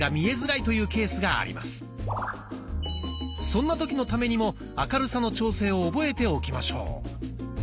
そんな時のためにも明るさの調整を覚えておきましょう。